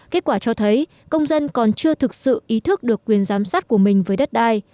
kết quả cho thấy công dân còn chưa thực sự ý thức được quyền giám sát của mình với đất đai